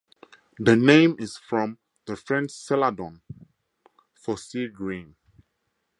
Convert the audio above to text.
The name is from the French "celadon," for sea-green.